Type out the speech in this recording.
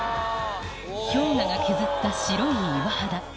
氷河が削った白い岩肌